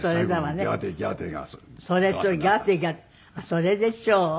それでしょう。